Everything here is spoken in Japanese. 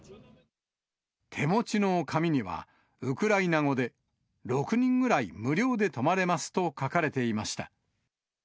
手持ちの紙には、ウクライナ語で、６人ぐらい無料で泊まれますと書かれていました。